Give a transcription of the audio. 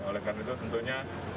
oleh karena itu tentunya